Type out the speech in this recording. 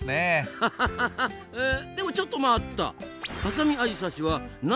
アハハハでもちょっと待った。